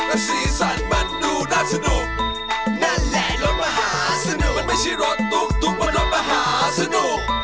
และสีสันมันดูน่าสนุกนั่นแหละรถมหาสนุกมันไม่ใช่รถตุ๊กตุ๊กบนรถมหาสนุก